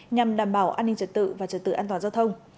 nhằm đảm bảo an ninh trật tự và trật tự an toàn giao thông